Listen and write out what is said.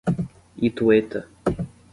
Itueta